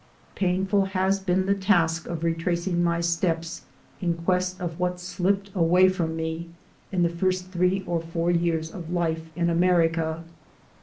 Painful has been the task of retracing my steps in quest of what slipped away from me in the first three or four years of life in America.